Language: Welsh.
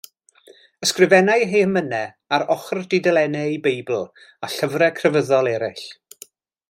Ysgrifennai ei hemynau ar ochr dudalennau ei Beibl a llyfrau crefyddol eraill.